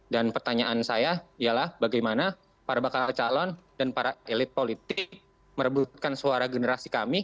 dan pertanyaan saya ialah bagaimana para bakal calon dan para elit politik merebutkan suara generasi kami